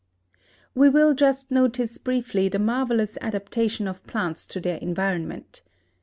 We will just notice briefly the marvelous adaptation of plants to their environment.